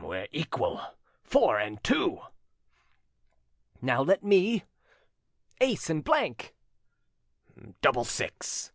"We're equal. Four and two." "Now let me. Ace and blank." "Double six."